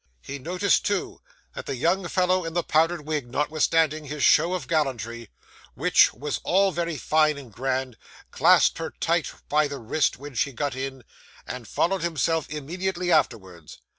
He noticed, too, that the young fellow in the powdered wig, notwithstanding his show of gallantry, which was all very fine and grand, clasped her tight by the wrist when she got in, and followed himself immediately afterwards.